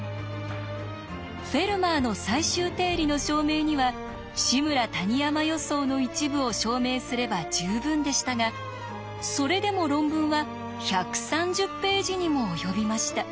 「フェルマーの最終定理」の証明には「志村−谷山予想」の一部を証明すれば十分でしたがそれでも論文は１３０ページにも及びました。